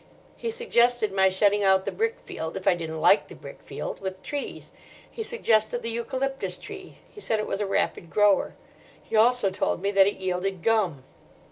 He suggested my shutting out the brickfield—if I didn't like the brickfield—with trees. He suggested the eucalyptus tree. He said it was a rapid grower. He also told me that it yielded gum.